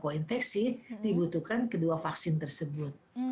kalau infeksi dibutuhkan kedua vaksin tersebut